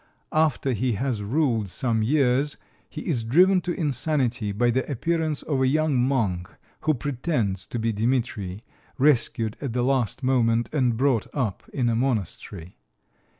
After he has ruled some years, he is driven to insanity by the appearance of a young monk who pretends to be Dimitri, rescued at the last moment and brought up in a monastery.